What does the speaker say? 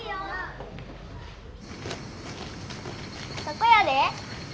そこやで。